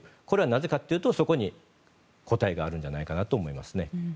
それはなぜかというとそこに答えがあるんじゃないかと思いますね。